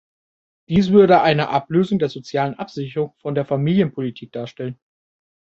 Dies würde eine Ablösung der sozialen Absicherung von der Familienpolitik darstellen.